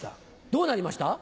どうなりました？